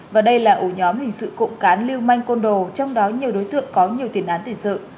và đây là ổ nhóm hình sự cộng cán lưu manh côn đồ trong đó nhiều đối tượng có nhiều tiền án tiền sự